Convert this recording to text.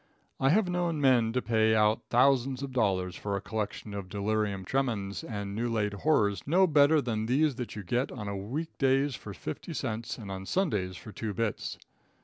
I have known men to pay out thousands of dollars for a collection of delirium tremens and new laid horrors no better than these that you get on week days for fifty cents and on Sundays for two bits.